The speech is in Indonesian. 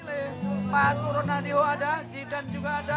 sepatu ronaldo ada jidan juga ada